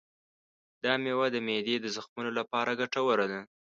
دا مېوه د معدې د زخمونو لپاره ګټوره ده.